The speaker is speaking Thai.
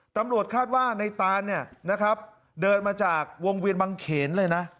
ตำรวจคาดว่าในตานเนี่ยนะครับเดินมาจากวงเวียนบังเขนเลยนะ